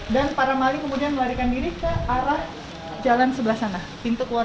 dan para maling kemudian melarikan diri ke arah jalan sebelah sana pintu keluar